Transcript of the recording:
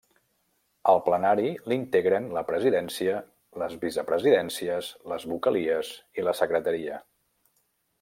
El plenari l'integren la presidència, les vicepresidències, les vocalies i la secretaria.